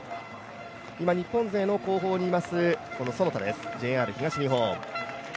今日本勢の後方にいます其田ＪＲ東日本。